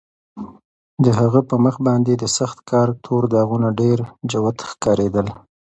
د هغه په مخ باندې د سخت کار تور داغونه ډېر جوت ښکارېدل.